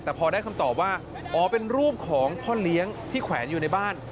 แต่พอได้คำตอบว่าอ๋อเป็นรูปของพ่อเลี้ยงที่แขวนอยู่ในบ้าน